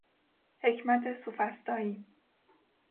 حکمت سوفسطائی